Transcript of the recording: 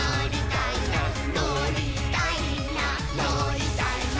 「のりたいなのりたいな」